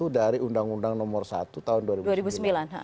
dari undang undang nomor satu tahun dua ribu sembilan